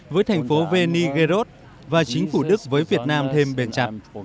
với thành phố venigeros và chính phủ đức với việt nam thêm bền chặt